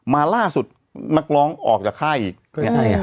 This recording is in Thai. มาล่าสุดนักร้องออกจากค่ายอีก